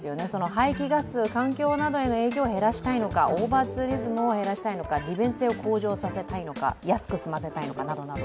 排気ガス、環境などへの影響を減らしたいのかオーバーツーリズムを減らしたいのか、利便性を向上させたいのか、安く済ませたいのかなどなど。